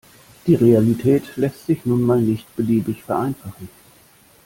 Die Realität lässt sich nun mal nicht beliebig vereinfachen.